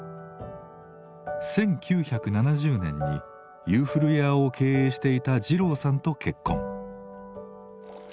１９７０年にゆーふるやーを経営していた二郎さんと結婚。